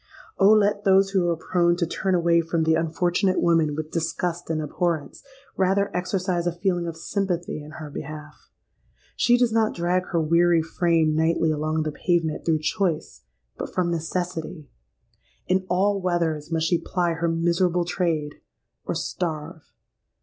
Oh! let those who are prone to turn away from the unfortunate woman with disgust and abhorrence, rather exercise a feeling of sympathy in her behalf. She does not drag her weary frame nightly along the pavement, through choice, but from necessity. In all weathers must she ply her miserable trade—or starve.